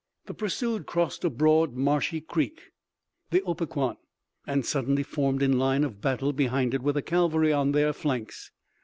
The pursued crossed a broad marshy creek, the Opequon, and suddenly formed in line of battle behind it with the cavalry on their flanks.